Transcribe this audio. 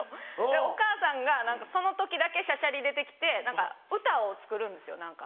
お母さんがその時だけしゃしゃり出て来て歌を作るんですよ何か。